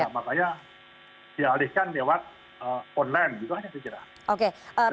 makanya dialihkan lewat online